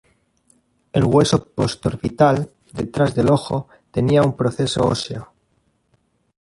El hueso postorbital, detrás del ojo, tenía un proceso óseo.